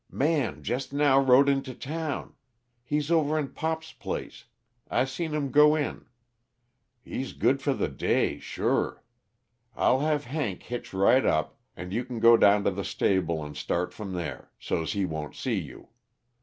"Man jest now rode into town; he's over in Pop's place I seen him go in. He's good for the day, sure. I'll have Hank hitch right up, an' you can go down to the stable and start from there, so'st he won't see you.